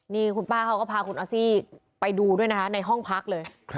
นี่คุณป้าเขาก็พาคุณออสซี่ไปดูด้วยนะคะในห้องพักเลย